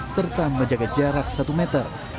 serta menjaga jarak satu meter